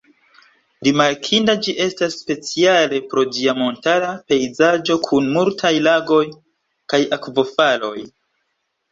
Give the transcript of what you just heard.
Rimarkinda ĝi estas speciale pro ĝia montara pejzaĝo kun multaj lagoj kaj akvofaloj.